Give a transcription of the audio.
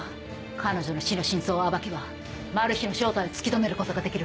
彼女の死の真相を暴けばマル被の正体を突き止めることができる。